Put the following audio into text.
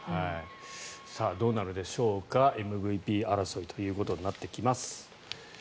どうなるでしょうかＭＶＰ争いとなってきます。